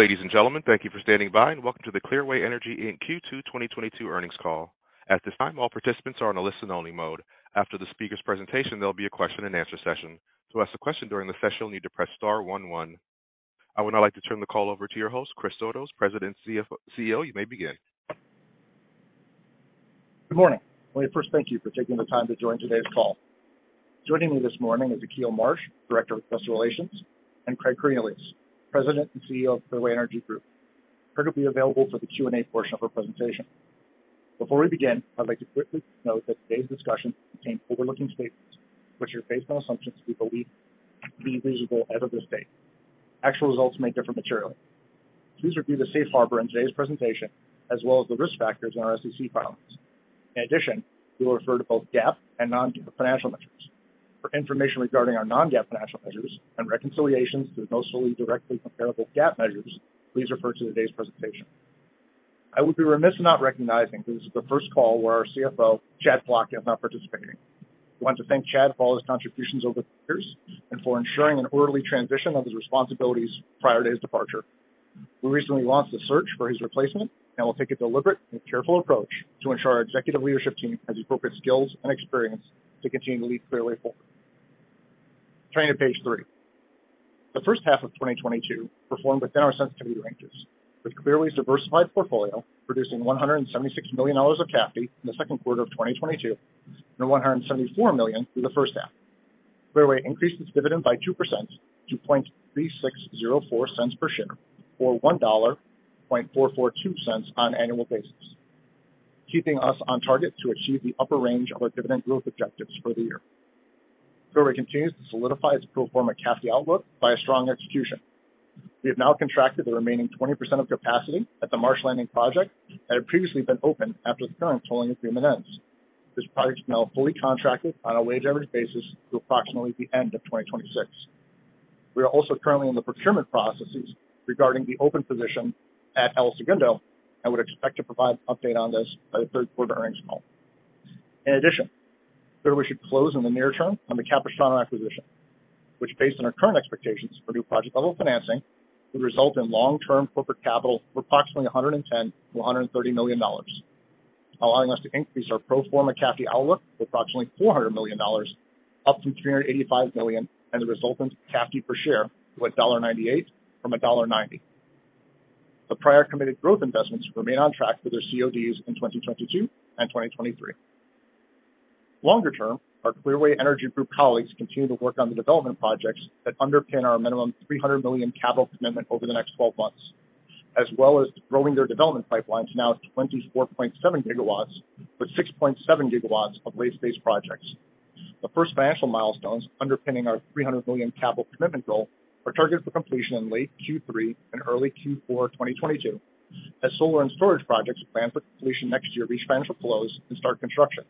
Ladies and gentlemen, thank you for standing by, and welcome to the Clearway Energy, Inc. Q2 2022 Earnings Call. At this time, all participants are in a listen-only mode. After the speaker's presentation, there'll be a question-and-answer session. To ask a question during the session, you'll need to press star one one. I would now like to turn the call over to your host, Chris Sotos, President CEO. You may begin. Good morning. Let me first thank you for taking the time to join today's call. Joining me this morning is Akil Marsh, Director of Investor Relations, and Craig Cornelius, President and CEO of Clearway Energy Group. Craig will be available for the Q&A portion of our presentation. Before we begin, I'd like to quickly note that today's discussion contains forward-looking statements which are based on assumptions we believe to be reasonable as of this date. Actual results may differ materially. Please review the Safe Harbor in today's presentation as well as the risk factors in our SEC filings. In addition, we will refer to both GAAP and non-GAAP financial measures. For information regarding our non-GAAP financial measures and reconciliations to the most fully directly comparable GAAP measures, please refer to today's presentation. I would be remiss in not recognizing that this is the first call where our CFO, Chad Plotkin, is not participating. We want to thank Chad for all his contributions over the years and for ensuring an orderly transition of his responsibilities prior to his departure. We recently launched a search for his replacement, and we'll take a deliberate and careful approach to ensure our executive leadership team has the appropriate skills and experience to continue to lead Clearway forward. Turning to page three. The first half of 2022 performed within our sensitivity ranges, with Clearway's diversified portfolio producing $176 million of CAFD in the second quarter of 2022 and $174 million through the first half. Clearway increased its dividend by 2% to $0.3604 per share, or $1.442 on annual basis, keeping us on target to achieve the upper range of our dividend growth objectives for the year. Clearway continues to solidify its pro forma CAFD outlook by a strong execution. We have now contracted the remaining 20% of capacity at the Marsh Landing project that had previously been open after the current tolling agreement ends. This project is now fully contracted on a weighted average basis through approximately the end of 2026. We are also currently in the procurement processes regarding the open position at El Segundo and would expect to provide an update on this by the third quarter earnings call. In addition, Clearway should close in the near term on the Capistrano acquisition, which, based on our current expectations for new project level financing, would result in long-term corporate capital of approximately $110 million-$130 million, allowing us to increase our pro forma CAFD outlook to approximately $400 million, up from $385 million, and a resultant CAFD per share to $1.98 from $1.90. The prior committed growth investments remain on track for their CODs in 2022 and 2023. Longer term, our Clearway Energy Group colleagues continue to work on the development projects that underpin our minimum $300 million capital commitment over the next twelve months, as well as growing their development pipelines now to 24.7 GW, with 6.7 GW of rate-based projects. The first financial milestones underpinning our $300 million capital commitment goal are targeted for completion in late Q3 and early Q4 2022 as solar and storage projects planned for completion next year reach financial close and start construction.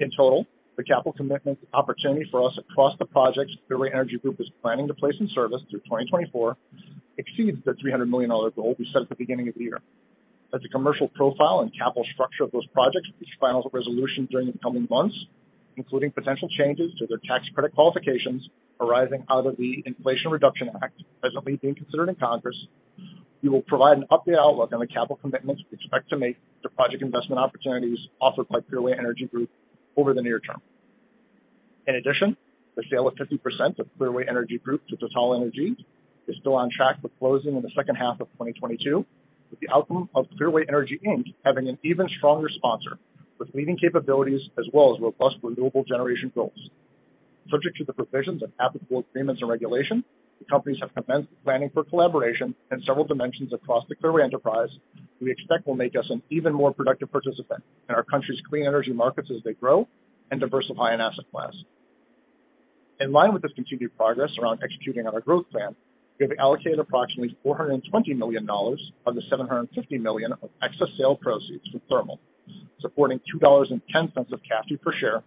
In total, the capital commitment opportunity for us across the projects Clearway Energy Group is planning to place in service through 2024 exceeds the $300 million goal we set at the beginning of the year. As the commercial profile and capital structure of those projects reach final resolution during the coming months, including potential changes to their tax credit qualifications arising out of the Inflation Reduction Act presently being considered in Congress, we will provide an updated outlook on the capital commitments we expect to make to project investment opportunities offered by Clearway Energy Group over the near term. In addition, the sale of 50% of Clearway Energy Group to TotalEnergies is still on track for closing in the second half of 2022, with the outcome of Clearway Energy, Inc. having an even stronger sponsor with leading capabilities as well as robust renewable generation goals. Subject to the provisions of applicable agreements and regulation, the companies have commenced planning for collaboration in several dimensions across the Clearway enterprise we expect will make us an even more productive participant in our country's clean energy markets as they grow and diversify in asset class. In line with this continued progress around executing on our growth plan, we have allocated approximately $420 million of the $750 million of excess sale proceeds from Thermal, supporting $2.10 of CAFD per share,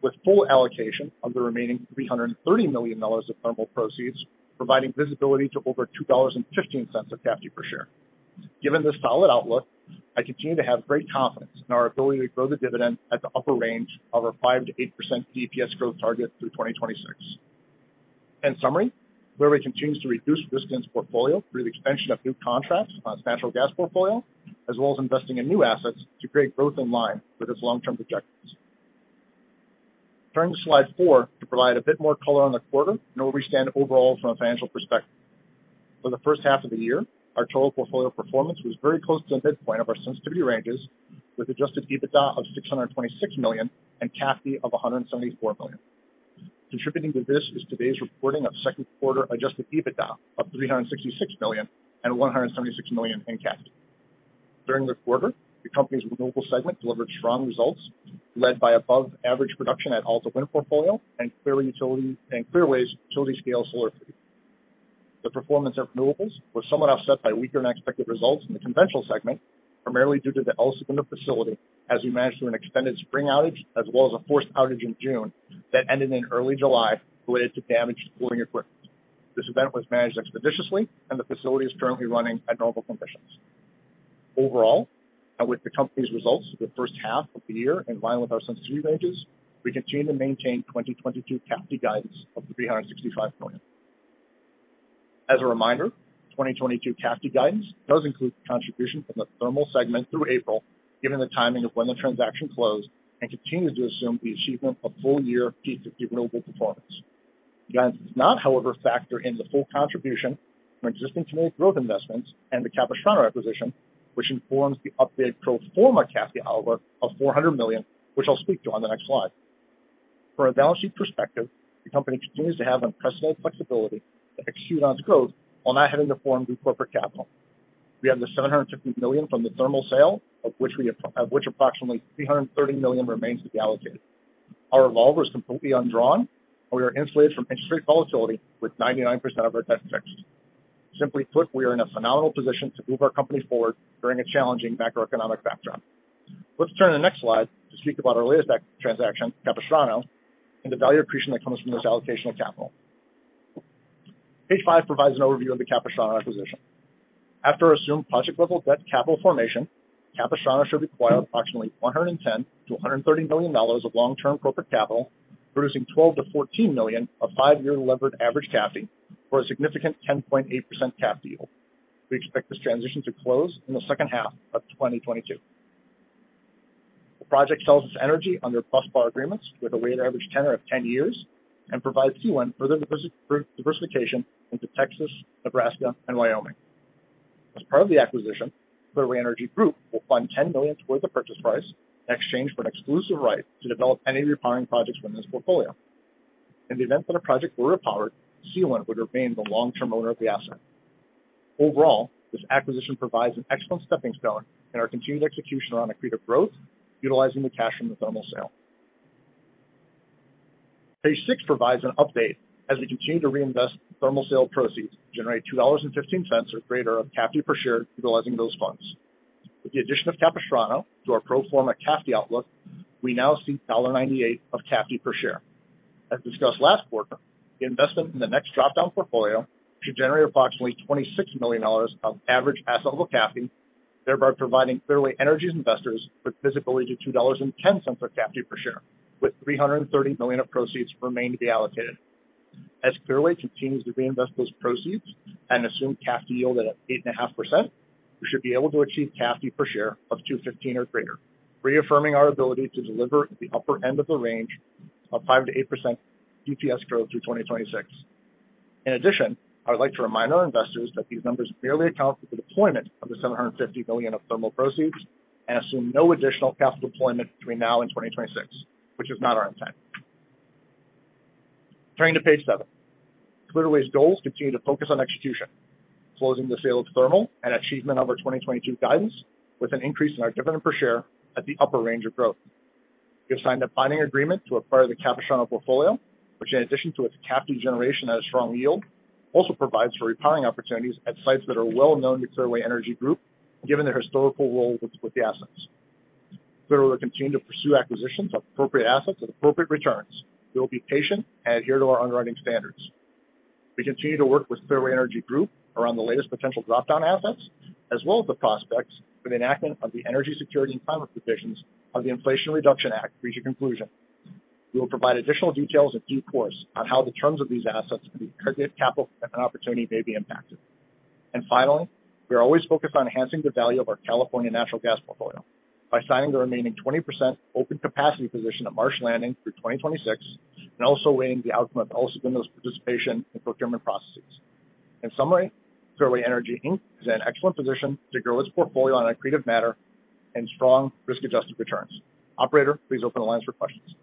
with full allocation of the remaining $330 million of Thermal proceeds, providing visibility to over $2.15 of CAFD per share. Given this solid outlook, I continue to have great confidence in our ability to grow the dividend at the upper range of our 5%-8% DPS growth target through 2026. In summary, Clearway continues to reduce risk in its portfolio through the expansion of new contracts on its natural gas portfolio, as well as investing in new assets to create growth in line with its long-term objectives. Turning to slide four to provide a bit more color on the quarter and where we stand overall from a financial perspective. For the first half of the year, our total portfolio performance was very close to the midpoint of our sensitivity ranges, with Adjusted EBITDA of $626 million and CAFD of $174 million. Contributing to this is today's reporting of second quarter Adjusted EBITDA of $366 million and $176 million in CAFD. During the quarter, the company's renewables segment delivered strong results led by above-average production at Alta Wind portfolio and Clearway's utility scale solar fleet. The performance of renewables was somewhat offset by weaker-than-expected results in the conventional segment, primarily due to the El Segundo facility as we managed through an extended spring outage as well as a forced outage in June that ended in early July related to damaged supporting equipment. This event was managed expeditiously, and the facility is currently running at normal conditions. Overall, with the company's results for the first half of the year in line with our sensitivity ranges, we continue to maintain 2022 CAFD guidance of $365 million. As a reminder, 2022 CAFD guidance does include the contribution from the thermal segment through April, given the timing of when the transaction closed, and continues to assume the achievement of full-year P50 renewable performance. Guidance does not, however, factor in the full contribution from existing community growth investments and the Capistrano acquisition, which informs the updated pro forma CAFD outlook of $400 million, which I'll speak to on the next slide. From a balance sheet perspective, the company continues to have unprecedented flexibility to execute on its growth while not having to form new corporate capital. We have the $750 million from the thermal sale, of which approximately $330 million remains to be allocated. Our revolver is completely undrawn, and we are insulated from interest rate volatility with 99% of our debt fixed. Simply put, we are in a phenomenal position to move our company forward during a challenging macroeconomic backdrop. Let's turn to the next slide to speak about our latest transaction, Capistrano, and the value accretion that comes from this allocation of capital. Page five provides an overview of the Capistrano acquisition. After assuming project-level debt capital formation, Capistrano should require approximately $110 million-$130 million of long-term corporate capital, producing $12 million-$14 million of five-year levered average CAFD for a significant 10.8% CAFD yield. We expect this transaction to close in the second half of 2022. The project sells its energy under busbar agreements with a weighted average tenor of 10 years and provides CWEN further diversification into Texas, Nebraska, and Wyoming. As part of the acquisition, Clearway Energy Group will fund $10 million towards the purchase price in exchange for an exclusive right to develop any repowering projects from this portfolio. In the event that a project were repowered, CWEN would remain the long-term owner of the asset. Overall, this acquisition provides an excellent stepping stone in our continued execution around accretive growth, utilizing the cash from the thermal sale. Page six provides an update as we continue to reinvest thermal sale proceeds to generate $2.15 or greater of CAFD per share utilizing those funds. With the addition of Capistrano to our pro forma CAFD outlook, we now see $1.98 of CAFD per share. As discussed last quarter, the investment in the next drop-down portfolio should generate approximately $26 million of average asset-level CAFD, thereby providing Clearway Energy's investors with visibility to $2.10 of CAFD per share, with $330 million of proceeds remaining to be allocated. As Clearway continues to reinvest those proceeds and assume CAFD yield at 8.5%, we should be able to achieve CAFD per share of $2.15 or greater, reaffirming our ability to deliver at the upper end of the range of 5%-8% DPS growth through 2026. In addition, I would like to remind our investors that these numbers barely account for the deployment of the $750 million of thermal proceeds and assume no additional capital deployment between now and 2026, which is not our intent. Turning to page seven. Clearway's goals continue to focus on execution, closing the sale of thermal and achievement of our 2022 guidance, with an increase in our dividend per share at the upper range of growth. We have signed a binding agreement to acquire the Capistrano portfolio, which in addition to its CAFD generation and a strong yield, also provides for repowering opportunities at sites that are well known to Clearway Energy Group given their historical role with the assets. Clearway will continue to pursue acquisitions of appropriate assets at appropriate returns. We will be patient and adhere to our underwriting standards. We continue to work with Clearway Energy Group around the latest potential drop-down assets, as well as the prospects for the enactment of the energy security and climate provisions of the Inflation Reduction Act and reach a conclusion. We will provide additional details in due course on how the terms of these assets and the targeted capital opportunity may be impacted. Finally, we are always focused on enhancing the value of our California natural gas portfolio by signing the remaining 20% open capacity position at Marsh Landing through 2026 and also weighing the outcome of El Segundo's participation in procurement processes. In summary, Clearway Energy, Inc. is in an excellent position to grow its portfolio in an accretive manner and strong risk-adjusted returns. Operator, please open the lines for questions.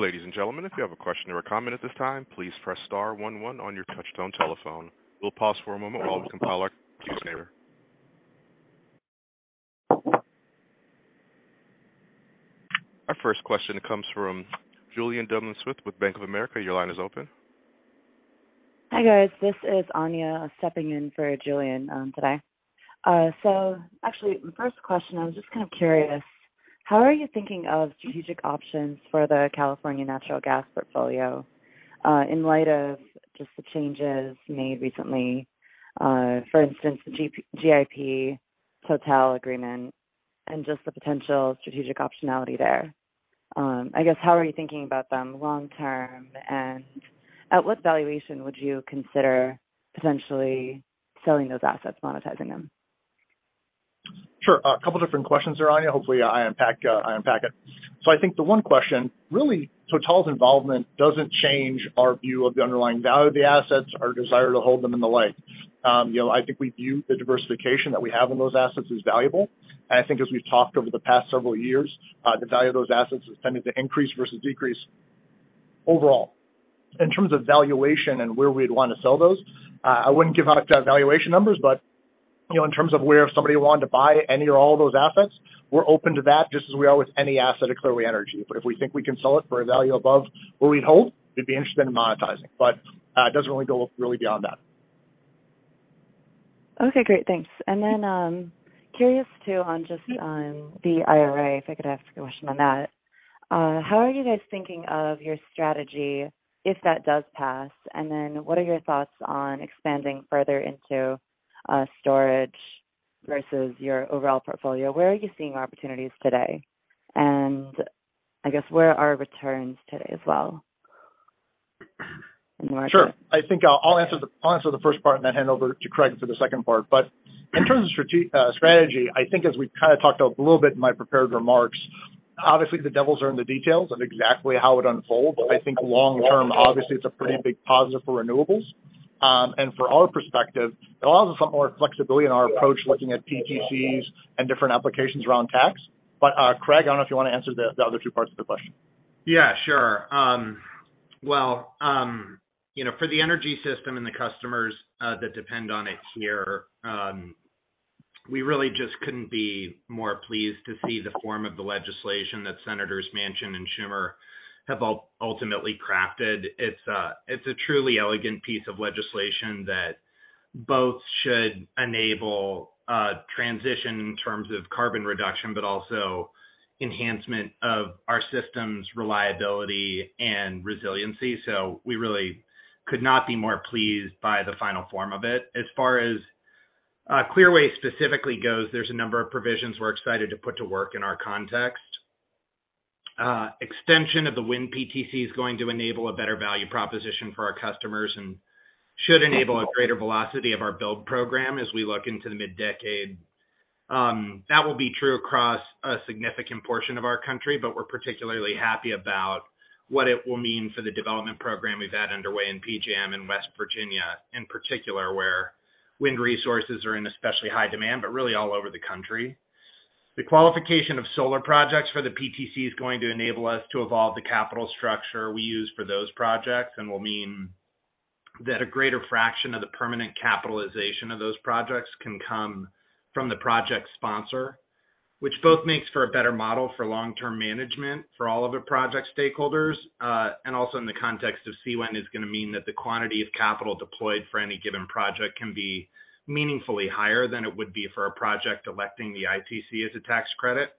Ladies and gentlemen, if you have a question or a comment at this time, please press star one one on your touchtone telephone. We'll pause for a moment while we compile our queue, sir. Our first question comes from Julien Dumoulin-Smith with Bank of America. Your line is open. Hi, guys. This is Anya stepping in for Julian, today. Actually, the first question, I was just kind of curious, how are you thinking of strategic options for the California natural gas portfolio, in light of just the changes made recently? For instance, the GIP Total agreement and just the potential strategic optionality there. I guess, how are you thinking about them long term, and at what valuation would you consider potentially selling those assets, monetizing them? Sure. A couple different questions there, Anya. Hopefully I unpack it. I think the one question, really, Total's involvement doesn't change our view of the underlying value of the assets or desire to hold them in that light. You know, I think we view the diversification that we have on those assets as valuable. I think as we've talked over the past several years, the value of those assets has tended to increase versus decrease overall. In terms of valuation and where we'd want to sell those, I wouldn't give out valuation numbers. You know, in terms of where if somebody wanted to buy any or all of those assets, we're open to that just as we are with any asset at Clearway Energy. If we think we can sell it for a value above what we'd hope, we'd be interested in monetizing. It doesn't really go beyond that. Okay, great. Thanks. Then, curious, too, just on the IRA, if I could ask a question on that. How are you guys thinking of your strategy if that does pass? What are your thoughts on expanding further into storage versus your overall portfolio? Where are you seeing opportunities today? I guess, where are returns today as well?. Sure. I think I'll answer the first part and then hand over to Craig for the second part. In terms of strategy, I think as we kind of talked a little bit in my prepared remarks, obviously the devils are in the details of exactly how it unfolds. I think long term, obviously it's a pretty big positive for renewables. For our perspective, it allows us some more flexibility in our approach looking at PTCs and different applications around tax. Craig, I don't know if you wanna answer the other two parts of the question. Yeah, sure. Well, you know, for the energy system and the customers that depend on it here, we really just couldn't be more pleased to see the form of the legislation that Senators Manchin and Schumer have ultimately crafted. It's a truly elegant piece of legislation that both should enable transition in terms of carbon reduction, but also enhancement of our system's reliability and resiliency. We really could not be more pleased by the final form of it. As far as Clearway specifically goes, there's a number of provisions we're excited to put to work in our context. Extension of the wind PTC is going to enable a better value proposition for our customers and should enable a greater velocity of our build program as we look into the mid-decade. That will be true across a significant portion of our country, but we're particularly happy about what it will mean for the development program we've had underway in PJM in West Virginia, in particular, where wind resources are in especially high demand, but really all over the country. The qualification of solar projects for the PTC is going to enable us to evolve the capital structure we use for those projects and will mean that a greater fraction of the permanent capitalization of those projects can come from the project sponsor, which both makes for a better model for long-term management for all of the project stakeholders, and also in the context of CWEN is gonna mean that the quantity of capital deployed for any given project can be meaningfully higher than it would be for a project electing the ITC as a tax credit.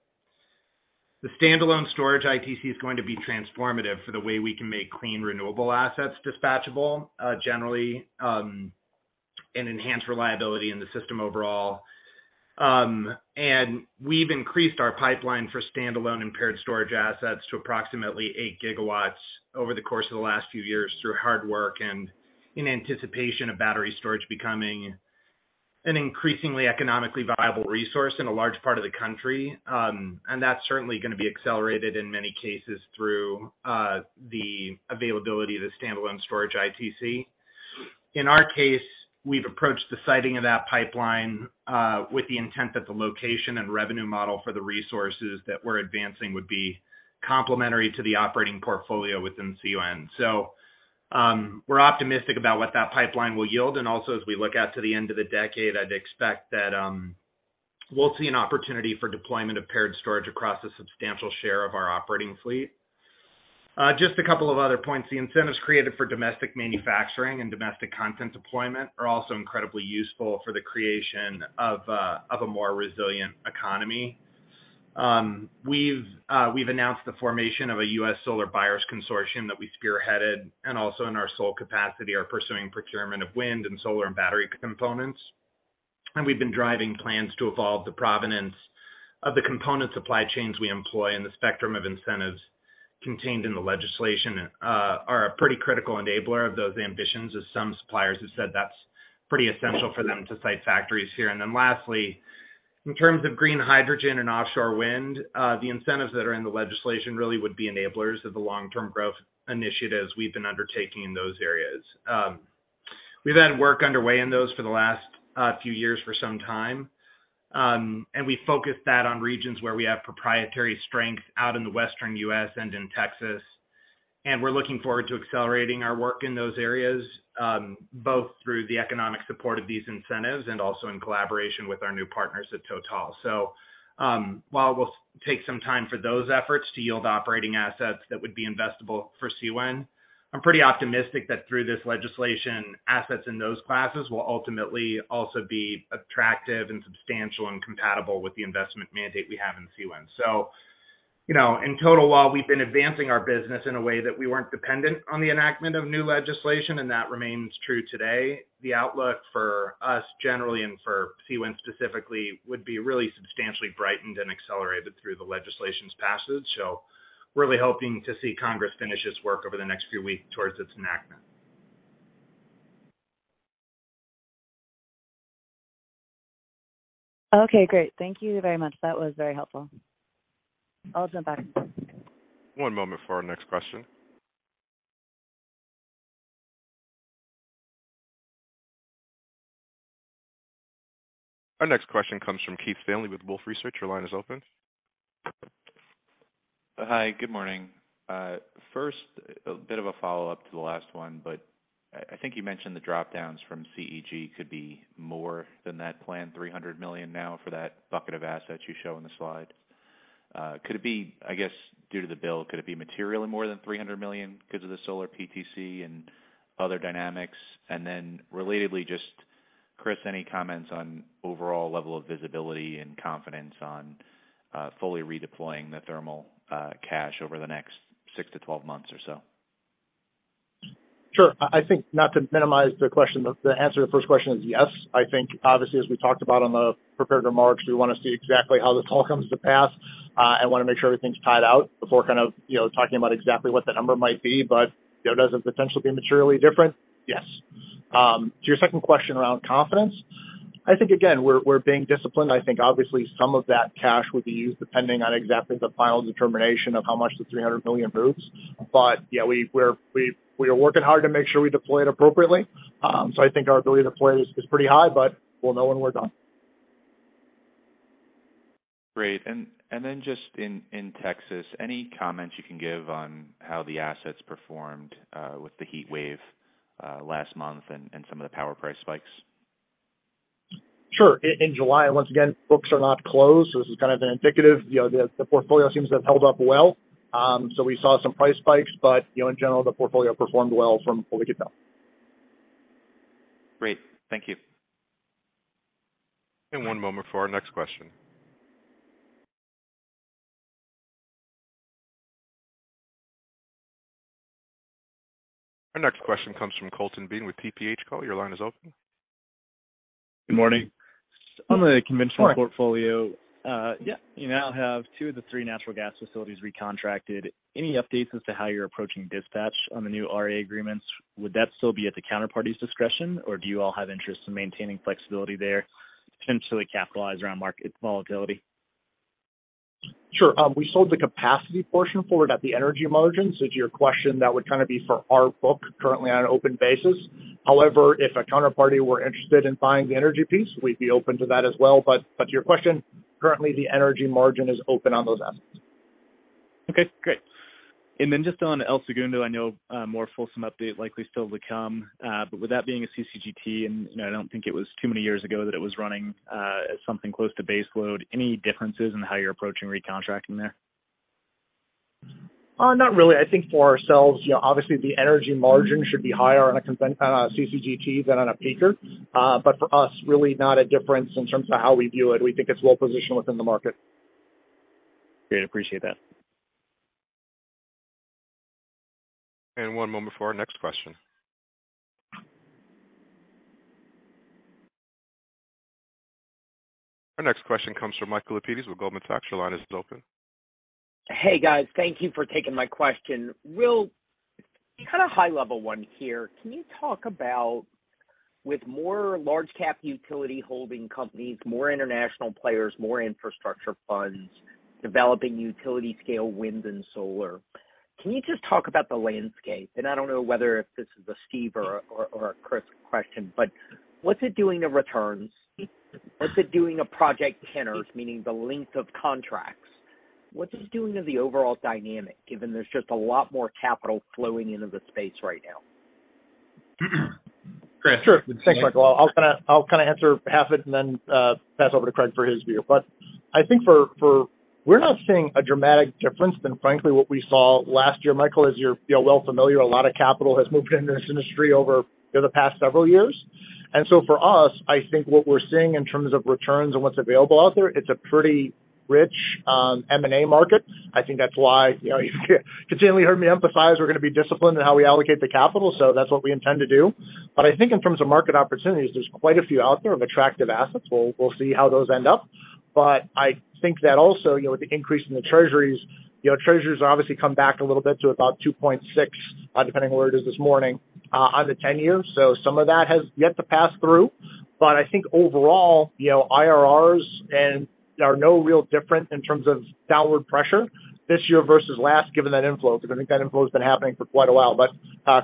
The standalone storage ITC is going to be transformative for the way we can make clean, renewable assets dispatchable, generally, and enhance reliability in the system overall. We've increased our pipeline for standalone battery storage assets to approximately 8 GW over the course of the last few years through hard work and in anticipation of battery storage becoming an increasingly economically viable resource in a large part of the country. That's certainly gonna be accelerated in many cases through the availability of the standalone storage ITC. In our case, we've approached the siting of that pipeline with the intent that the location and revenue model for the resources that we're advancing would be complementary to the operating portfolio within CWEN. We're optimistic about what that pipeline will yield, and also as we look out to the end of the decade, I'd expect that we'll see an opportunity for deployment of paired storage across a substantial share of our operating fleet. Just a couple of other points. The incentives created for domestic manufacturing and domestic content deployment are also incredibly useful for the creation of a more resilient economy. We've announced the formation of a U.S. Solar Buyer Consortium that we spearheaded, and also in our sole capacity are pursuing procurement of wind and solar and battery components. We've been driving plans to evolve the provenance of the component supply chains we employ, and the spectrum of incentives contained in the legislation are a pretty critical enabler of those ambitions, as some suppliers have said that's pretty essential for them to site factories here. Then lastly, in terms of green hydrogen and offshore wind, the incentives that are in the legislation really would be enablers of the long-term growth initiatives we've been undertaking in those areas. We've had work underway in those for the last few years for some time, and we focused that on regions where we have proprietary strength out in the Western U.S. and in Texas. We're looking forward to accelerating our work in those areas, both through the economic support of these incentives and also in collaboration with our new partners at TotalEnergies. While we'll take some time for those efforts to yield operating assets that would be investable for CWEN, I'm pretty optimistic that through this legislation, assets in those classes will ultimately also be attractive and substantial and compatible with the investment mandate we have in CWEN. You know, in total, while we've been advancing our business in a way that we weren't dependent on the enactment of new legislation, and that remains true today, the outlook for us generally and for CWEN specifically, would be really substantially brightened and accelerated through the legislation's passage. Really hoping to see Congress finish its work over the next few weeks towards its enactment. Okay, great. Thank you very much. That was very helpful. I'll jump back. One moment for our next question. Our next question comes from Steve Fleishman with Wolfe Research. Your line is open. Hi, good morning. First, a bit of a follow-up to the last one, but I think you mentioned the drop-downs from CEG could be more than that planned $300 million now for that bucket of assets you show in the slide. Could it be, I guess, due to the bill, could it be materially more than $300 million because of the solar PTC and other dynamics? Then relatedly, just Chris, any comments on overall level of visibility and confidence on fully redeploying the thermal cash over the next six to 12 months or so? Sure. I think not to minimize the question, but the answer to the first question is yes. I think obviously, as we talked about on the prepared remarks, we wanna see exactly how this all comes to pass, and wanna make sure everything's tied out before kind of, you know, talking about exactly what the number might be. You know, does it potentially be materially different? Yes. To your second question around confidence, I think again, we're being disciplined. I think obviously some of that cash would be used depending on exactly the final determination of how much the $300 million moves. Yeah, we are working hard to make sure we deploy it appropriately. So I think our ability to deploy is pretty high, but we'll know when we're done. Great. Just in Texas, any comments you can give on how the assets performed with the heat wave last month and some of the power price spikes? Sure. In July, once again, books are not closed, so this is kind of an indicative. You know, the portfolio seems to have held up well. So we saw some price spikes, but you know, in general, the portfolio performed well from what we could tell. Great. Thank you. One moment for our next question. Our next question comes from Colton Bean with TPH. Your line is open. Good morning. Morning. On the conventional portfolio, yeah, you now have two of the three natural gas facilities recontracted. Any updates as to how you're approaching dispatch on the new RA agreements? Would that still be at the counterparty's discretion, or do you all have interest in maintaining flexibility there to potentially capitalize around market volatility? Sure. We sold the capacity portion forward at the energy margin. To your question, that would kind of be for our book currently on an open basis. However, if a counterparty were interested in buying the energy piece, we'd be open to that as well. To your question, currently the energy margin is open on those assets. Okay, great. Then just on El Segundo, I know a more fulsome update likely still to come. With that being a CCGT, and, you know, I don't think it was too many years ago that it was running something close to baseload, any differences in how you're approaching recontracting there? Not really. I think for ourselves, you know, obviously the energy margin should be higher on a CCGT than on a peaker. For us, really not a difference in terms of how we view it. We think it's well-positioned within the market. Great, appreciate that. One moment for our next question. Our next question comes from Michael Lapides with Goldman Sachs. Your line is open. Hey, guys. Thank you for taking my question. Real kind of high level one here. Can you talk about with more large cap utility holding companies, more international players, more infrastructure funds, developing utility scale winds and solar, can you just talk about the landscape? I don't know whether if this is a Steve or a Chris question, but what's it doing to returns? What's it doing to project tenors, meaning the length of contracts? What's this doing to the overall dynamic, given there's just a lot more capital flowing into the space right now? Chris, if you could. Sure. Thanks, Michael. I'll kinda answer half it and then pass over to Craig for his view. I think we're not seeing a dramatic difference than frankly what we saw last year. Michael, as you're you know well familiar, a lot of capital has moved into this industry over you know the past several years. For us, I think what we're seeing in terms of returns and what's available out there, it's a pretty rich M&A market. I think that's why you know you continually heard me emphasize we're gonna be disciplined in how we allocate the capital, so that's what we intend to do. I think in terms of market opportunities, there's quite a few out there of attractive assets. We'll see how those end up. I think that also, you know, with the increase in the Treasuries, you know, Treasuries obviously come back a little bit to about 2.6, depending on where it is this morning, on the 10-year. Some of that has yet to pass through. I think overall, you know, IRRs are no real different in terms of downward pressure this year versus last given that inflow, 'cause I think that inflow's been happening for quite a while.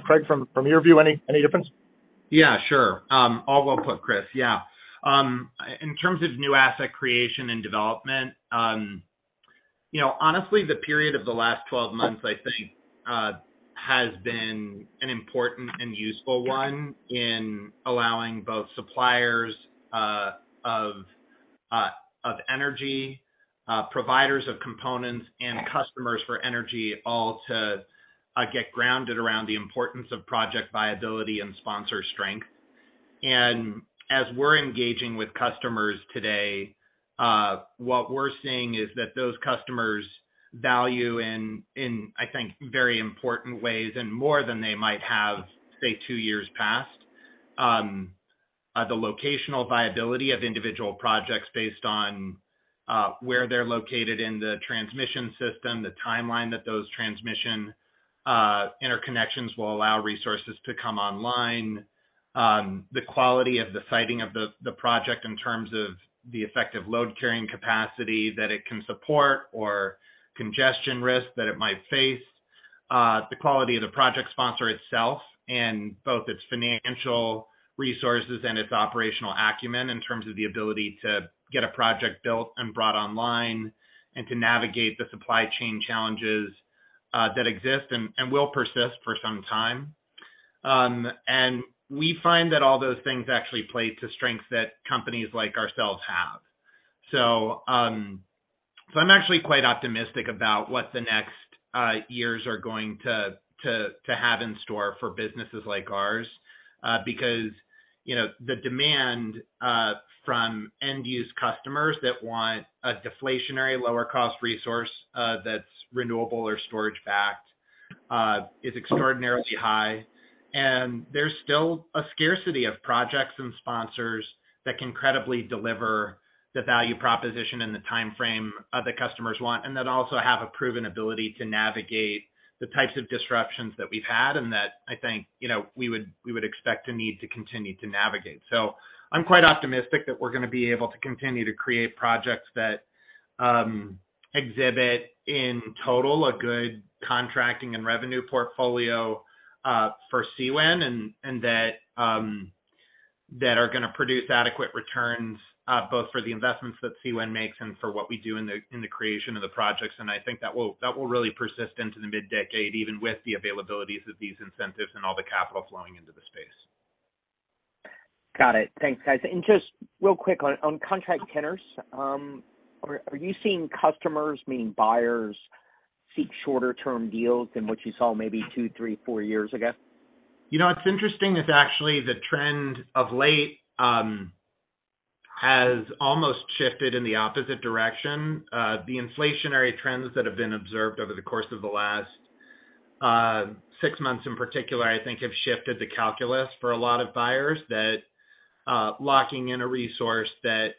Craig, from your view, any difference? Yeah, sure. All well put, Chris. Yeah. In terms of new asset creation and development, you know, honestly, the period of the last 12 months, I think, has been an important and useful one in allowing both suppliers of energy providers of components and customers for energy all to get grounded around the importance of project viability and sponsor strength. As we're engaging with customers today, what we're seeing is that those customers value in, I think, very important ways and more than they might have, say, two years past, the locational viability of individual projects based on where they're located in the transmission system, the timeline that those transmission interconnections will allow resources to come online, the quality of the siting of the project in terms of the effective load-carrying capacity that it can support or congestion risk that it might face, the quality of the project sponsor itself and both its financial resources and its operational acumen in terms of the ability to get a project built and brought online and to navigate the supply chain challenges that exist and will persist for some time. We find that all those things actually play to strengths that companies like ourselves have. I'm actually quite optimistic about what the next years are going to have in store for businesses like ours, because, you know, the demand from end-use customers that want a deflationary lower cost resource, that's renewable or storage-backed, is extraordinarily high. There's still a scarcity of projects and sponsors that can credibly deliver the value proposition in the time frame other customers want, and that also have a proven ability to navigate the types of disruptions that we've had and that I think, you know, we would expect to need to continue to navigate. I'm quite optimistic that we're gonna be able to continue to create projects that exhibit, in total, a good contracting and revenue portfolio for CWEN and that are gonna produce adequate returns both for the investments that CWEN makes and for what we do in the creation of the projects. I think that will really persist into the mid-decade, even with the availabilities of these incentives and all the capital flowing into the space. Got it. Thanks, guys. Just real quick on contract tenors, are you seeing customers, meaning buyers, seek shorter term deals than what you saw maybe two, three, four years ago? You know, what's interesting is actually the trend of late has almost shifted in the opposite direction. The inflationary trends that have been observed over the course of the last six months in particular, I think have shifted the calculus for a lot of buyers that locking in a resource that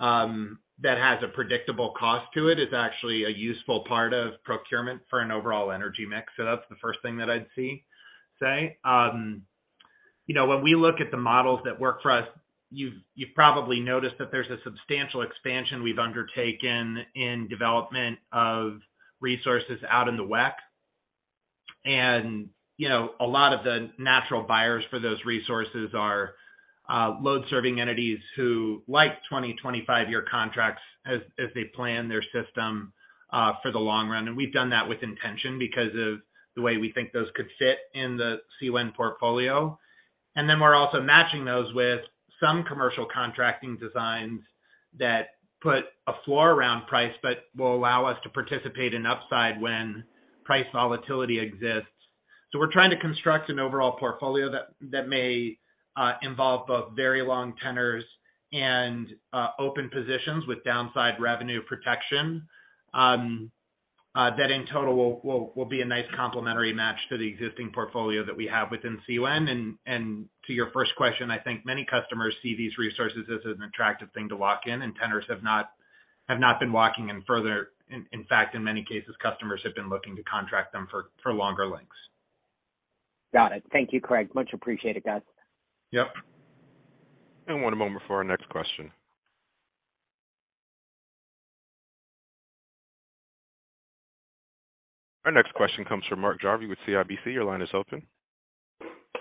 has a predictable cost to it is actually a useful part of procurement for an overall energy mix. So that's the first thing that I'd say. You know, when we look at the models that work for us, you've probably noticed that there's a substantial expansion we've undertaken in development of resources out in the WECC. You know, a lot of the natural buyers for those resources are load-serving entities who like 20-25 year contracts as they plan their system for the long run. We've done that with intention because of the way we think those could fit in the CWEN portfolio. We're also matching those with some commercial contracting designs that put a floor around price, but will allow us to participate in upside when price volatility exists. We're trying to construct an overall portfolio that may involve both very long tenors and open positions with downside revenue protection that in total will be a nice complementary match to the existing portfolio that we have within CWEN. To your first question, I think many customers see these resources as an attractive thing to lock in, and tenors have not been locking in further. In fact, in many cases, customers have been looking to contract them for longer lengths. Got it. Thank you, Craig. Much appreciated, guys. Yep. One moment for our next question. Our next question comes from Mark Jarvi with CIBC. Your line is open.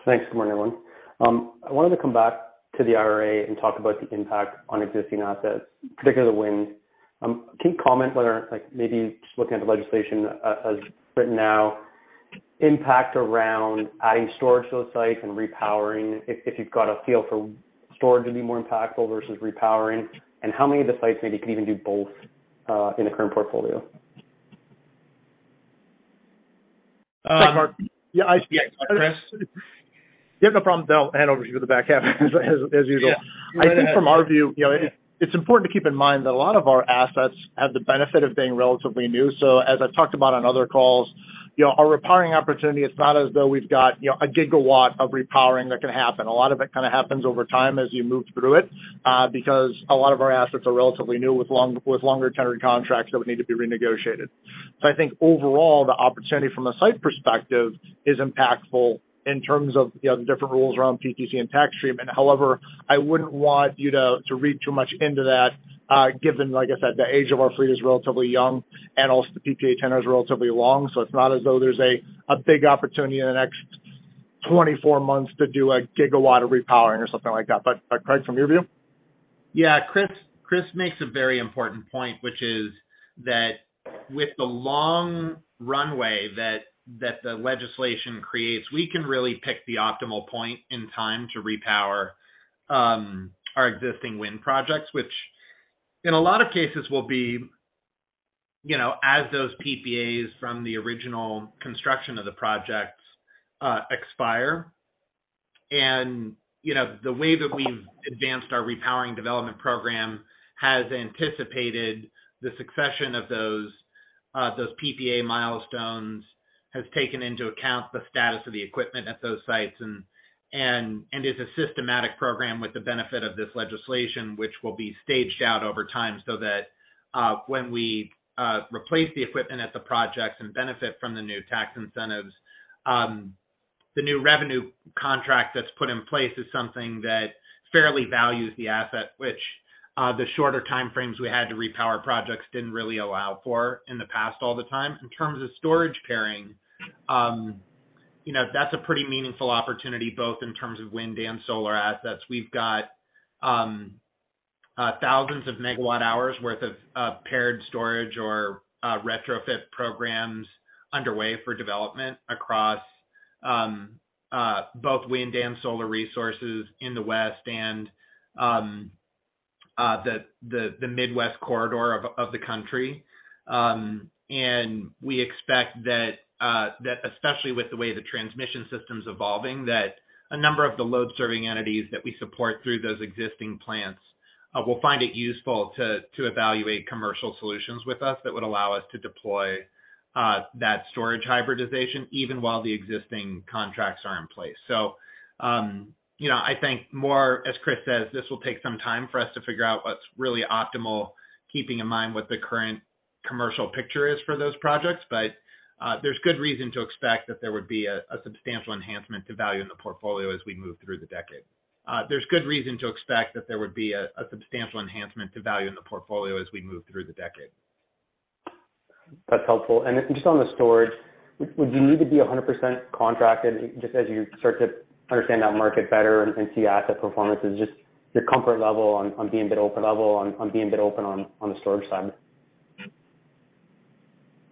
Thanks. Good morning, everyone. I wanted to come back to the IRA and talk about the impact on existing assets, particularly the wind. Can you comment whether, like maybe just looking at the legislation as written now, impact around adding storage to those sites and repowering, if you've got a feel for storage to be more impactful versus repowering, and how many of the sites maybe could even do both, in the current portfolio? Hi, Mark. Yeah, I see. Chris? Yeah, no problem. I'll hand over to you the back half as usual. Yeah. Go ahead. I think from our view, you know, it's important to keep in mind that a lot of our assets have the benefit of being relatively new. As I talked about on other calls, you know, our repowering opportunity, it's not as though we've got, you know, a gigawatt of repowering that can happen. A lot of it kinda happens over time as you move through it, because a lot of our assets are relatively new with longer tenured contracts that would need to be renegotiated. I think overall, the opportunity from a site perspective is impactful in terms of, you know, the different rules around PTC and tax treatment. However, I wouldn't want you to read too much into that, given, like I said, the age of our fleet is relatively young and also the PPA tenor is relatively long. It's not as though there's a big opportunity in the next 24 months to do a gigawatt of repowering or something like that. Craig, from your view? Yeah, Chris makes a very important point, which is that with the long runway that the legislation creates, we can really pick the optimal point in time to repower our existing wind projects, which in a lot of cases will be, you know, as those PPAs from the original construction of the projects expire. You know, the way that we've advanced our repowering development program has anticipated the succession of those PPA milestones, has taken into account the status of the equipment at those sites and is a systematic program with the benefit of this legislation, which will be staged out over time so that when we replace the equipment at the projects and benefit from the new tax incentives, the new revenue contract that's put in place is something that fairly values the asset, which the shorter time frames we had to repower projects didn't really allow for in the past all the time. In terms of storage pairing, you know, that's a pretty meaningful opportunity, both in terms of wind and solar assets. We've got thousands of megawatt hours worth of paired storage or retrofit programs underway for development across both wind and solar resources in the West and the Midwest corridor of the country. We expect that especially with the way the transmission system's evolving, that a number of the load-serving entities that we support through those existing plants will find it useful to evaluate commercial solutions with us that would allow us to deploy that storage hybridization even while the existing contracts are in place. You know, I think more, as Chris says, this will take some time for us to figure out what's really optimal, keeping in mind what the current commercial picture is for those projects. There's good reason to expect that there would be a substantial enhancement to value in the portfolio as we move through the decade. That's helpful. Just on the storage, would you need to be 100% contracted just as you start to understand that market better and see asset performances? Just your comfort level on being a bit open on the storage side.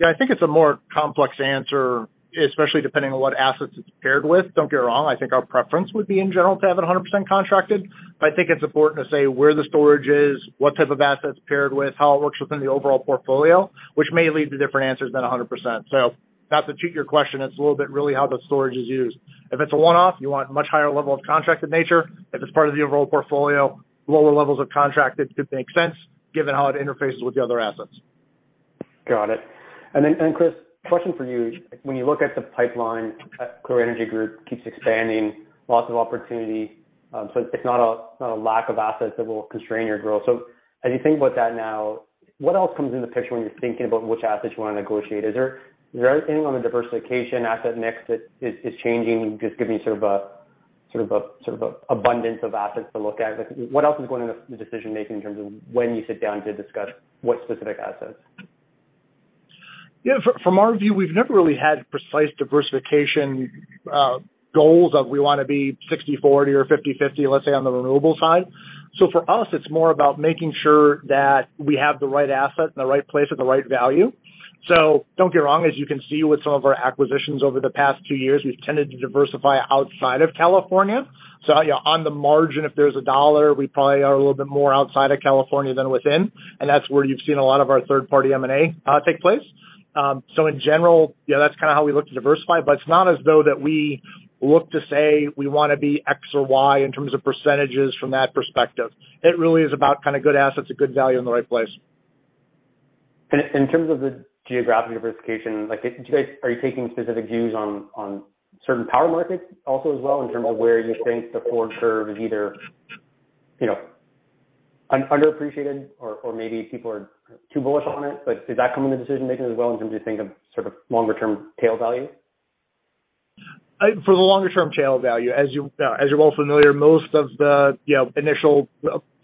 Yeah. I think it's a more complex answer, especially depending on what assets it's paired with. Don't get me wrong, I think our preference would be in general to have it 100% contracted, but I think it's important to say where the storage is, what type of asset it's paired with, how it works within the overall portfolio, which may lead to different answers than 100%. Not to cheat your question, it's a little bit really how the storage is used. If it's a one-off, you want much higher level of contracted nature. If it's part of the overall portfolio, lower levels of contracted could make sense given how it interfaces with the other assets. Got it. Chris, question for you. When you look at the pipeline, Clearway Energy Group keeps expanding, lots of opportunity. It's not a lack of assets that will constrain your growth. As you think about that now, what else comes into picture when you're thinking about which assets you wanna negotiate? Is there anything on the diversification asset mix that is changing, just giving you sort of a abundance of assets to look at? Like what else is going into the decision-making in terms of when you sit down to discuss what specific assets? Yeah. From our view, we've never really had precise diversification goals of we wanna be 60/40 or 50/50, let's say on the renewable side. For us, it's more about making sure that we have the right asset in the right place at the right value. Don't get me wrong, as you can see with some of our acquisitions over the past two years, we've tended to diversify outside of California. Yeah, on the margin, if there's a dollar, we probably are a little bit more outside of California than within, and that's where you've seen a lot of our third party M&A take place. In general, yeah, that's kinda how we look to diversify. It's not as though that we look to say we wanna be X or Y in terms of percentages from that perspective. It really is about kind of good assets at good value in the right place. In terms of the geographic diversification, like are you taking specific views on certain power markets also as well in terms of where you think the forward curve is either, you know, underappreciated or maybe people are too bullish on it? Like does that come into decision-making as well in terms of you think of sort of longer term tail value? For the longer term tail value, as you, as you're well familiar, most of the, you know, initial,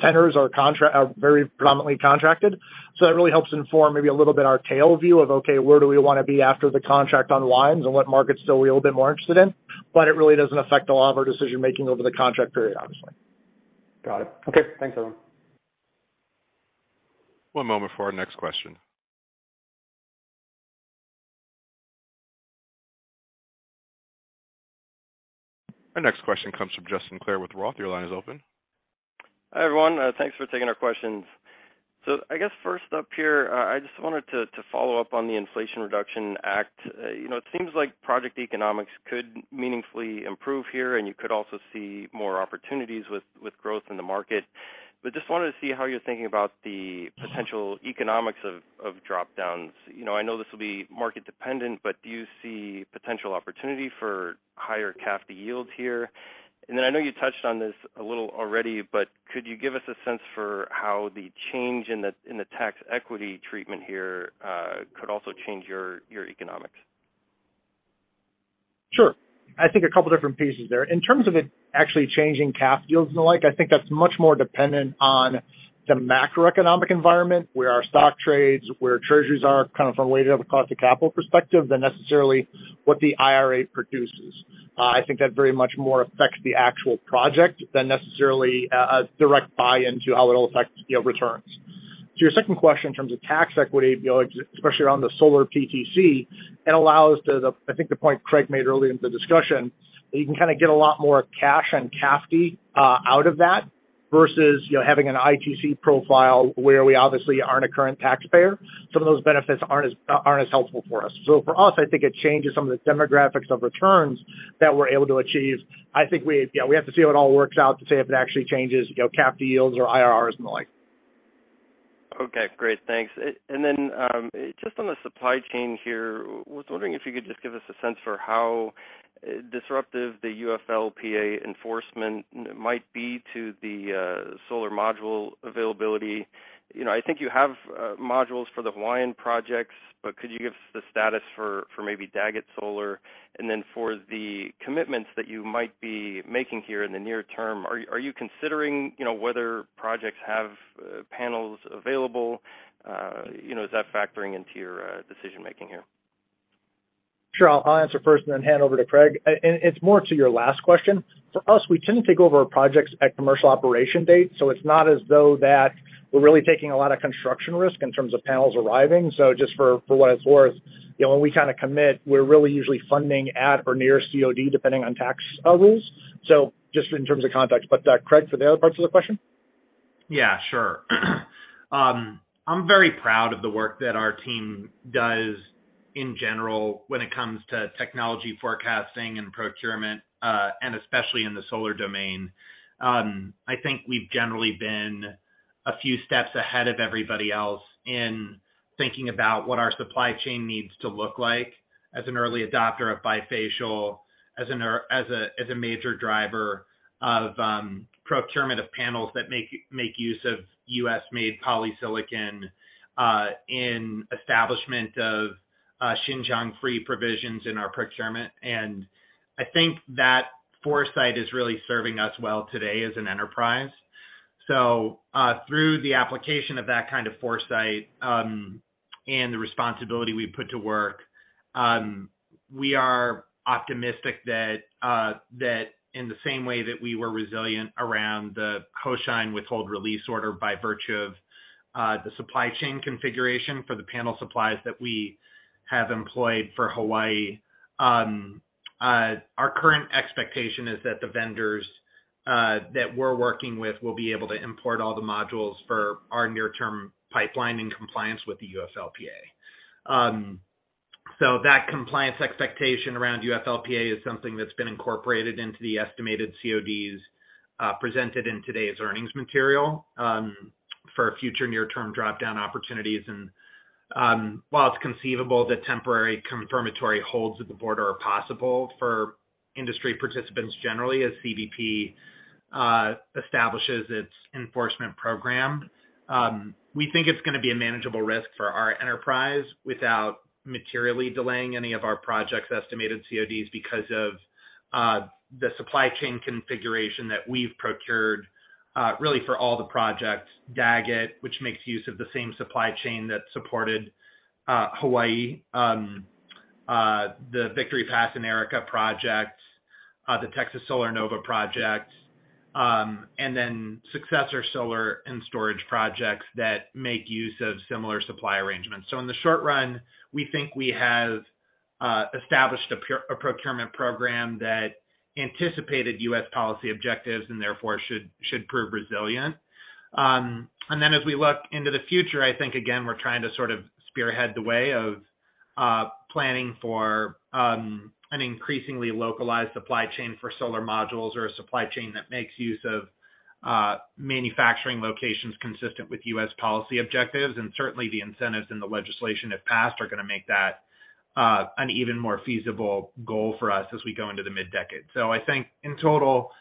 tenors are very predominantly contracted. It really helps inform maybe a little bit our tail view of, okay, where do we wanna be after the contract unwinds and what markets are we a little bit more interested in? It really doesn't affect a lot of our decision-making over the contract period, obviously. Got it. Okay. Thanks, everyone. One moment for our next question. Our next question comes from Justin Clare with Roth. Your line is open. Hi, everyone. Thanks for taking our questions. I guess first up here, I just wanted to follow up on the Inflation Reduction Act. You know, it seems like project economics could meaningfully improve here, and you could also see more opportunities with growth in the market. Just wanted to see how you're thinking about the potential economics of drop-downs. You know, I know this will be market dependent, but do you see potential opportunity for higher CAFD yields here? I know you touched on this a little already, but could you give us a sense for how the change in the tax equity treatment here could also change your economics? Sure. I think a couple different pieces there. In terms of it actually changing CAFD deals and the like, I think that's much more dependent on the macroeconomic environment, where our stock trades, where treasuries are kind of from a weighted average cost of capital perspective than necessarily what the IRA produces. I think that very much more affects the actual project than necessarily a direct buy-in to how it'll affect, you know, returns. To your second question in terms of tax equity, you know, especially around the solar PTC, it allows, I think the point Craig made earlier in the discussion, that you can kind of get a lot more cash and CAFD out of that versus, you know, having an ITC profile where we obviously aren't a current taxpayer. Some of those benefits aren't as helpful for us. For us, I think it changes some of the demographics of returns that we're able to achieve. I think we, you know, have to see how it all works out to say if it actually changes, you know, CAFD yields or IRRs and the like. Okay. Great. Thanks. Then just on the supply chain here, I was wondering if you could just give us a sense for how disruptive the UFLPA enforcement might be to the solar module availability. You know, I think you have modules for the Hawaiian projects, but could you give us the status for maybe Daggett Solar? Then for the commitments that you might be making here in the near term, are you considering, you know, whether projects have panels available? You know, is that factoring into your decision-making here? Sure. I'll answer first and then hand over to Craig. It's more to your last question. For us, we tend to take over our projects at commercial operation date, so it's not as though that we're really taking a lot of construction risk in terms of panels arriving. Just for what it's worth, you know, when we kind of commit, we're really usually funding at or near COD, depending on tax rules. Just in terms of context. Craig, for the other parts of the question? Yeah, sure. I'm very proud of the work that our team does in general when it comes to technology forecasting and procurement, and especially in the solar domain. I think we've generally been a few steps ahead of everybody else in thinking about what our supply chain needs to look like as an early adopter of bifacial, as a major driver of procurement of panels that make use of U.S.-made polysilicon, in establishment of Xinjiang-free provisions in our procurement. I think that foresight is really serving us well today as an enterprise. Through the application of that kind of foresight, and the responsibility we put to work, we are optimistic that in the same way that we were resilient around the Hoshine Withhold Release Order by virtue of the supply chain configuration for the panel supplies that we have employed for Hawaii, our current expectation is that the vendors that we're working with will be able to import all the modules for our near-term pipeline in compliance with the UFLPA. That compliance expectation around UFLPA is something that's been incorporated into the estimated CODs presented in today's earnings material for future near-term drop-down opportunities. While it's conceivable that temporary confirmatory holds at the border are possible for industry participants generally as CBP establishes its enforcement program, we think it's gonna be a manageable risk for our enterprise without materially delaying any of our projects' estimated CODs because of the supply chain configuration that we've procured really for all the projects. Daggett, which makes use of the same supply chain that supported Hawaii, the Victory Pass and Arica project, the Texas Solar Nova project, and then successor solar and storage projects that make use of similar supply arrangements. In the short run, we think we have established a procurement program that anticipated U.S. policy objectives, and therefore should prove resilient. As we look into the future, I think again, we're trying to sort of spearhead the way of planning for an increasingly localized supply chain for solar modules or a supply chain that makes use of manufacturing locations consistent with U.S. policy objectives. Certainly the incentives in the legislation, if passed, are gonna make that an even more feasible goal for us as we go into the mid-decade. I think in total,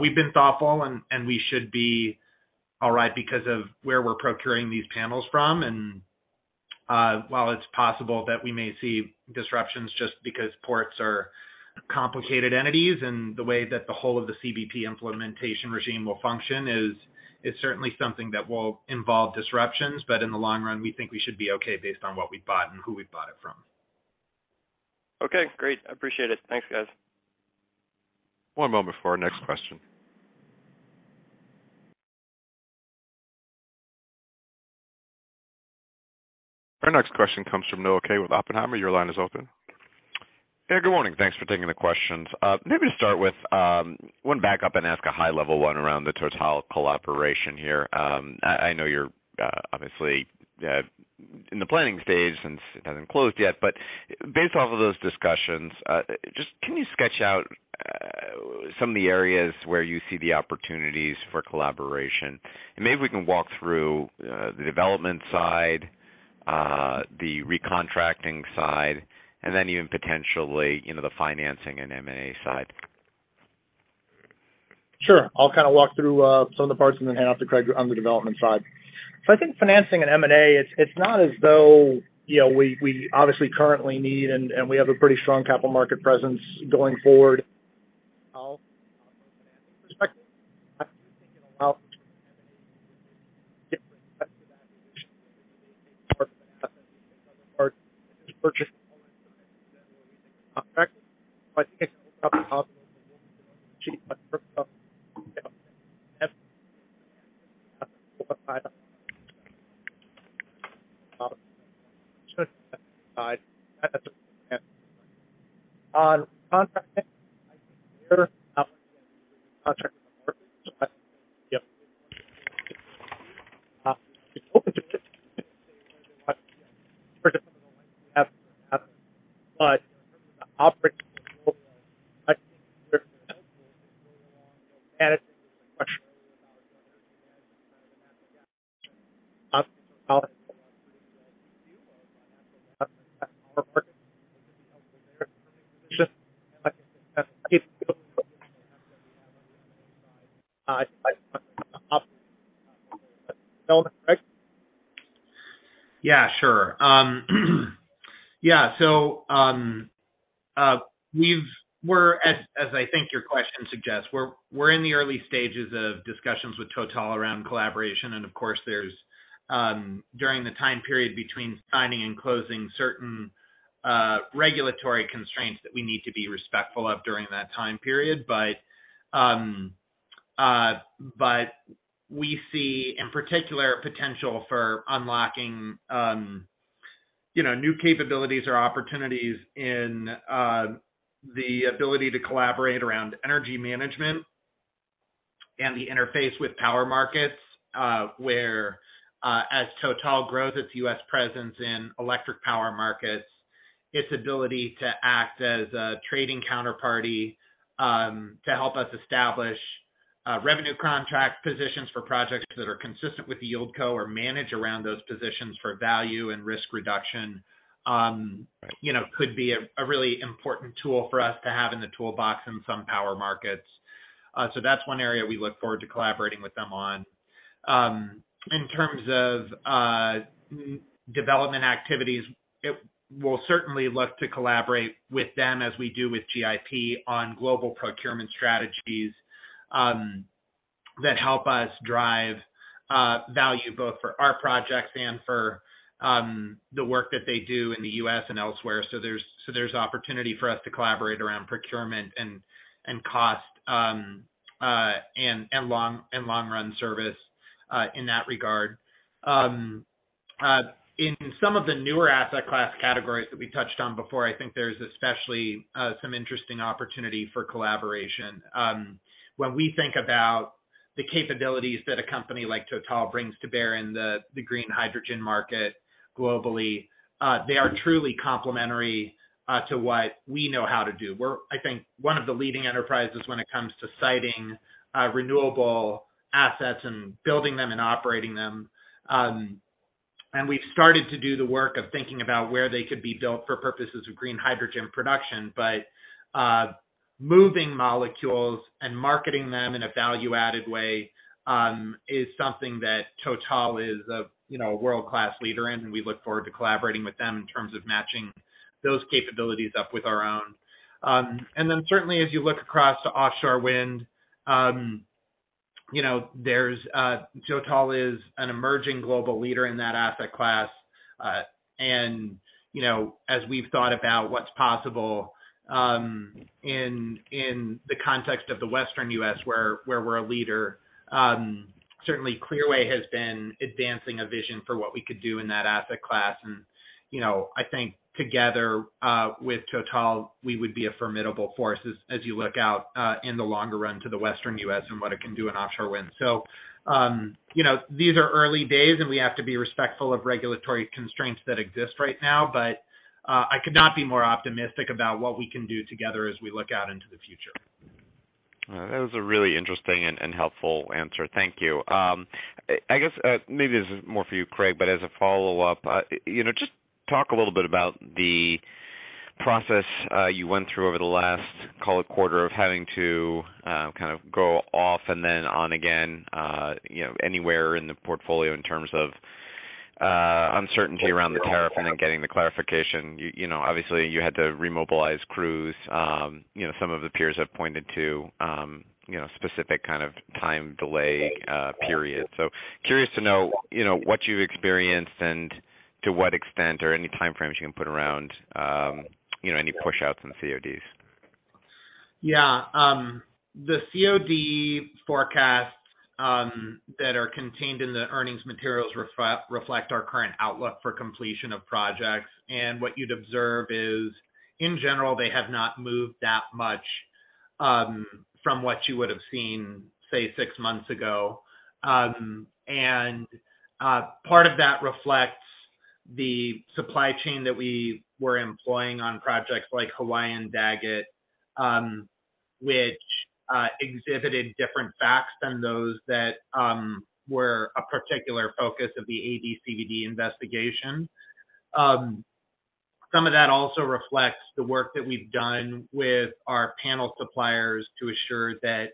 we've been thoughtful and we should be all right because of where we're procuring these panels from. While it's possible that we may see disruptions just because ports are complicated entities, and the way that the whole of the CBP implementation regime will function is certainly something that will involve disruptions. In the long run, we think we should be okay based on what we bought and who we bought it from. Okay, great. I appreciate it. Thanks, guys. One moment for our next question. Our next question comes from Noah Kaye with Oppenheimer. Your line is open. Yeah, good morning. Thanks for taking the questions. Maybe to start with, want to back up and ask a high-level one around the TotalEnergies collaboration here. I know you're obviously in the planning stage since it hasn't closed yet. Based off of those discussions, just can you sketch out some of the areas where you see the opportunities for collaboration? Maybe we can walk through the development side, the recontracting side, and then even potentially, you know, the financing and M&A side. Sure. I'll kind of walk through some of the parts and then hand off to Craig on the development side. I think financing and M&A, it's not as though, you know, we obviously currently need and we have a pretty strong capital market presence going forward. Yeah, sure. Yeah. We're, as I think your question suggests, we're in the early stages of discussions with TotalEnergies around collaboration. Of course, there's during the time period between signing and closing certain regulatory constraints that we need to be respectful of during that time period. We see in particular potential for unlocking, you know, new capabilities or opportunities in the ability to collaborate around energy management and the interface with power markets, where, as TotalEnergies grows its U.S. presence in electric power markets, its ability to act as a trading counterparty to help us establish revenue contract positions for projects that are consistent with the yieldco or manage around those positions for value and risk reduction, you know, could be a really important tool for us to have in the toolbox in some power markets. That's one area we look forward to collaborating with them on. In terms of development activities, it. We'll certainly look to collaborate with them as we do with GIP on global procurement strategies that help us drive value both for our projects and for the work that they do in the U.S. and elsewhere. There's opportunity for us to collaborate around procurement and cost and long-run service in that regard. In some of the newer asset class categories that we touched on before, I think there's especially some interesting opportunity for collaboration. When we think about the capabilities that a company like Total brings to bear in the green hydrogen market globally, they are truly complementary to what we know how to do. We're, I think, one of the leading enterprises when it comes to siting renewable assets and building them and operating them. We've started to do the work of thinking about where they could be built for purposes of green hydrogen production. Moving molecules and marketing them in a value-added way is something that TotalEnergies is a, you know, a world-class leader in, and we look forward to collaborating with them in terms of matching those capabilities up with our own. Certainly as you look across to offshore wind, you know, there's TotalEnergies is an emerging global leader in that asset class. You know, as we've thought about what's possible in the context of the western U.S., where we're a leader, certainly Clearway has been advancing a vision for what we could do in that asset class. You know, I think together with Total, we would be a formidable force as you look out in the longer run to the Western U.S. and what it can do in offshore wind. You know, these are early days, and we have to be respectful of regulatory constraints that exist right now, but I could not be more optimistic about what we can do together as we look out into the future. That was a really interesting and helpful answer. Thank you. I guess maybe this is more for you, Craig, but as a follow-up, you know, just talk a little bit about the process you went through over the last quarter of having to kind of go off and then on again, you know, anywhere in the portfolio in terms of uncertainty around the tariff and then getting the clarification. You know, obviously you had to remobilize crews. You know, some of the peers have pointed to you know, specific kind of time delay period. Curious to know, you know, what you experienced and to what extent or any time frames you can put around, you know, any pushouts and CODs. Yeah. The COD forecasts that are contained in the earnings materials reflect our current outlook for completion of projects. What you'd observe is, in general, they have not moved that much from what you would have seen, say, six months ago. Part of that reflects the supply chain that we were employing on projects like Hawaiian Daggett, which exhibited different facts than those that were a particular focus of the AD/CVD investigation. Some of that also reflects the work that we've done with our panel suppliers to assure that,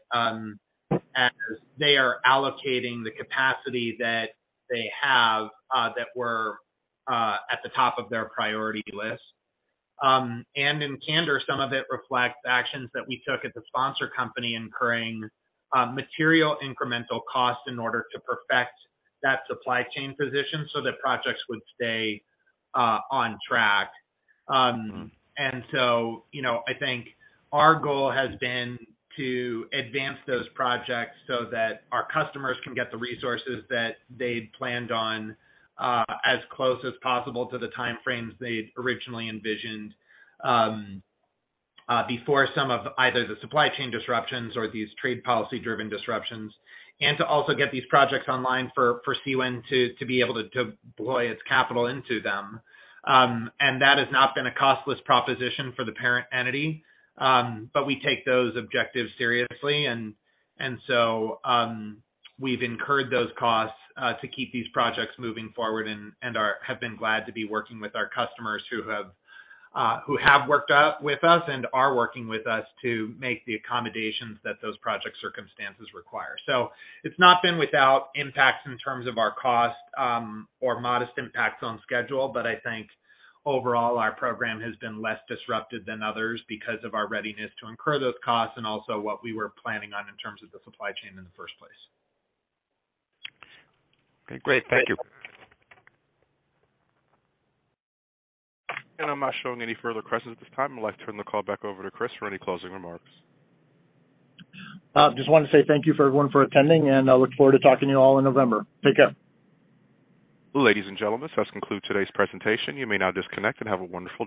as they are allocating the capacity that they have, that we're at the top of their priority list. In candor, some of it reflects actions that we took at the sponsor company incurring material incremental costs in order to perfect that supply chain position so that projects would stay on track. You know, I think our goal has been to advance those projects so that our customers can get the resources that they'd planned on as close as possible to the time frames they'd originally envisioned before some of either the supply chain disruptions or these trade policy-driven disruptions. To also get these projects online for CWEN to be able to deploy its capital into them. That has not been a costless proposition for the parent entity. We take those objectives seriously, and so we've incurred those costs to keep these projects moving forward and have been glad to be working with our customers who have worked with us and are working with us to make the accommodations that those project circumstances require. It's not been without impacts in terms of our cost or modest impacts on schedule, but I think overall our program has been less disrupted than others because of our readiness to incur those costs and also what we were planning on in terms of the supply chain in the first place. Okay, great. Thank you. I'm not showing any further questions at this time. I'd like to turn the call back over to Chris for any closing remarks. Just wanna say thank you for everyone for attending, and I look forward to talking to you all in November. Take care. Ladies and gentlemen, this does conclude today's presentation. You may now disconnect and have a wonderful day.